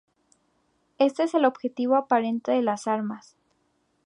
Este es el objetivo aparente de las armas.